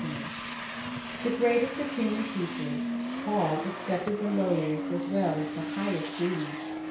1 The greatest of human teachers, Paul accepted the lowliest as well as the highest duties.